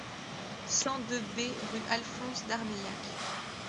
cent deux B rue Alphonse Darmaillacq